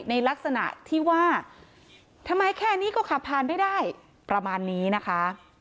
ในลักษณะที่ว่าทำไมแค่นี้ก็ขับผ่านไม่ได้ประมาณนี้นะคะ